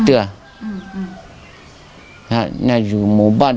เป็นห่วงเขาไหมครับ